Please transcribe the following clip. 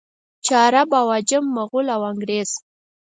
چې عرب او عجم، مغل او انګرېز.